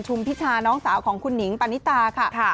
พิชาน้องสาวของคุณหนิงปานิตาค่ะ